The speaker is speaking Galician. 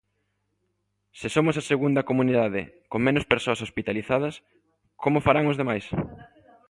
Se somos a segunda comunidade con menos persoas hospitalizadas, ¿como farán os demais?